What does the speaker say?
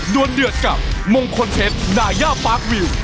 วนเดือดกับมงคลเพชรดายาปาร์ควิว